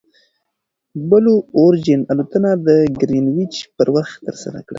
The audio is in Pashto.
بلو اوریجن الوتنه د ګرینویچ پر وخت ترسره کړه.